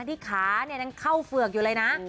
ที่ขายังเข้าเฝือกอยู่เลยนะ